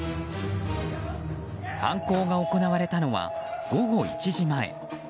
犯行が行われたのは午後１時前。